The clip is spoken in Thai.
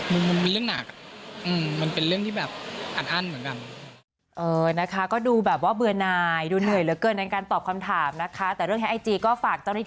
มันมีเรื่องหนักมันเป็นเรื่องที่แบบอัดอั้นเหมือนกัน